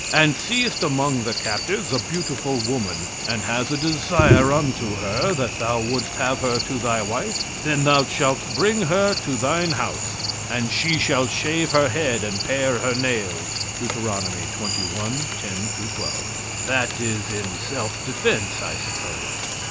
"And seest among the captives a beautiful woman, and has a desire unto her, that thou wouldst have her to thy wife. "Then thou shalt bring her home to thine house; and she shall shave her head, and pare her nails." (Deut. xxi, 10 12.) That is in self defense, I suppose!